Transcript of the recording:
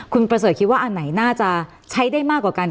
คุณประเสริฐคิดว่าอันไหนน่าจะใช้ได้มากกว่ากัน